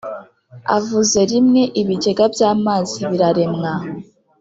avuze rimwe, ibigega by’amazi biraremwa.